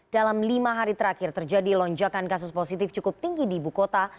dalam lima hari terakhir terjadi lonjakan kasus positif cukup tinggi di ibu kota